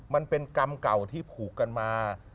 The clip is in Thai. มันเป็นกรรมเก่าที่ผูกกันมา